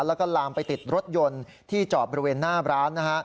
แล้วก็ลามไปติดรถยนต์ที่จอดบริเวณหน้าร้านนะฮะ